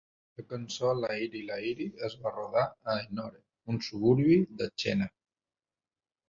La cançó "Lahiri Lahiri" es va rodar a Ennore, un suburbi de Chennai.